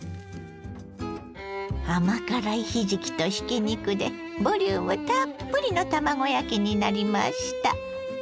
甘辛いひじきとひき肉でボリュームたっぷりの卵焼きになりました。